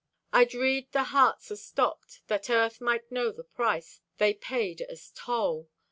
I'd read the hearts astopped, That Earth might know the price They paid as toll.